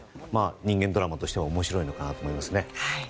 人間ドラマとしても面白いのかなと思いますね。